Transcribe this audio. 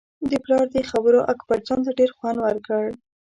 د پلار دې خبرو اکبرجان ته ډېر خوند ورکړ.